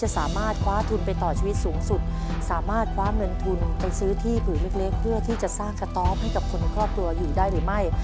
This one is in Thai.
สามารถความเงินทุนไปซื้อที่พื้นเล็กเพื่อที่จะสร้างกระต๊อบให้กับคนครอบครัวอยู่ได้หรือไม่